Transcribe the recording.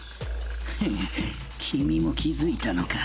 フッ君も気づいたのか。